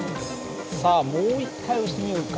さあもう一回押してみようか。